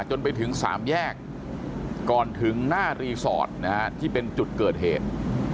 จนไปถึง๓แยกก่อนถึงหน้ารีสอร์ทนะฮะที่เป็นจุดเกิดเหตุ